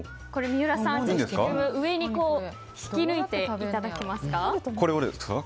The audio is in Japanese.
三浦さん、フィルムを上に引き抜いていただけますか。